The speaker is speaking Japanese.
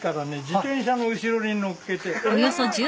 自転車の後ろに載っけて。